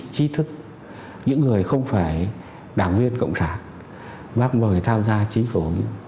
kỹ thức những người không phải đảng viên cộng sản bác mời tham gia chính phủ